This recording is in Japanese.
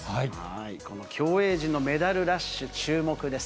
この競泳陣のメダルラッシュ、注目です。